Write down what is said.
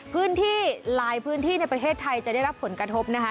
พื้นที่หลายพื้นที่ในประเทศไทยจะได้รับผลกระทบนะคะ